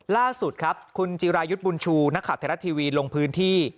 ล่าสุดครับคุณจิรายุทธ์บุญชูนักข่าวไทยรัฐทีวีลงพื้นที่